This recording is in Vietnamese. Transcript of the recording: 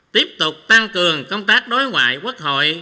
tiếp tục tăng cường công tác đối ngoại quốc hội